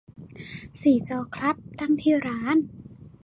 สี่จอครับ ตั้งที่ร้าน